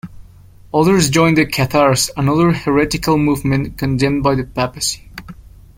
Others joined the Cathars, another heretical movement condemned by the papacy.